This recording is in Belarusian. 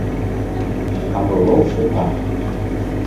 А было ўсё так.